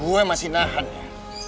gue masih nahannya